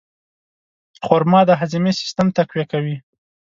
خرما د هاضمې سیستم تقویه کوي.